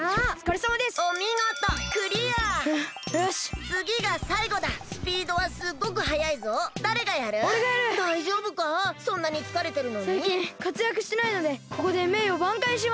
さいきんかつやくしてないのでここでめいよばんかいします！